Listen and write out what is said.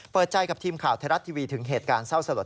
เปิดใจกับทีมข่าวไทยรัฐทีวีถึงเหตุการณ์เศร้าสลด